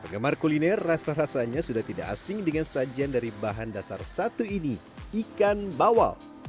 penggemar kuliner rasa rasanya sudah tidak asing dengan sajian dari bahan dasar satu ini ikan bawal